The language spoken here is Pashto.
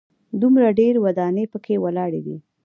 دومره ډېرې ودانۍ په کې ولاړې دي.